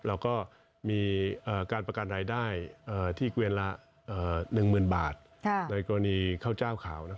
เราก็มีการประกันรายได้ที่เกวียนละ๑๐๐๐บาทในกรณีข้าวเจ้าขาว